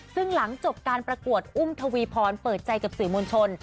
ซึ่งหลังจบการประกวดอุ้มทวีพรเปิดใจกับสื่อมวลชน